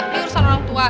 dia urusan orang tua